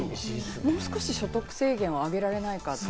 もう少し所得制限、上げられないかって。